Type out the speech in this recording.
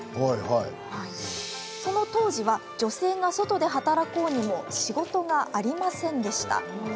その当時は女性が外で働こうにも仕事がありませんでした。